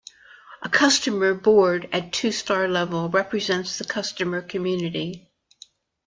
A customer board at two-star level represents the customer community.